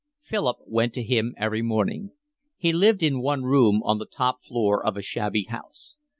Philip went to him every morning. He lived in one room on the top floor of a shabby house.